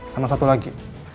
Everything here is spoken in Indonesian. sama satu lagi